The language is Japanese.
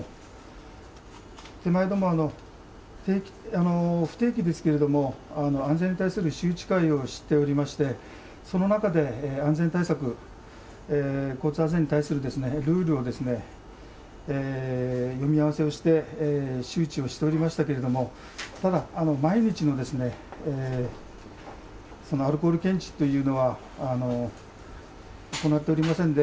手前ども、不定期ですけれども、安全に対する周知会をしておりまして、その中で安全対策、交通安全に対するですね、ルールをですね、読み合わせをして、周知をしておりましたけれども、ただ、毎日のアルコール検知というのは行っておりませんで。